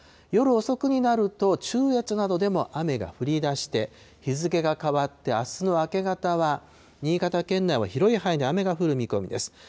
夜遅くになると、中越などでも雨が降り出して、日付が変わってあすの明け方は、新潟県内は広い範囲で雨が降る見込みです。